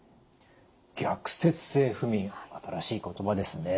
逆説性不眠新しい言葉ですね。